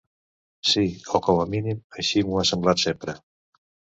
Sí, o com a mínim així m'ho ha semblat sempre.